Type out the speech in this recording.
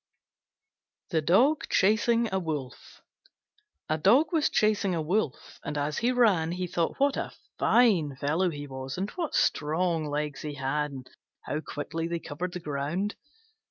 THE DOG CHASING A WOLF A Dog was chasing a Wolf, and as he ran he thought what a fine fellow he was, and what strong legs he had, and how quickly they covered the ground.